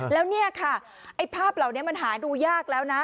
และในภาพเหล่านี้มันหาดูยากแล้วนะ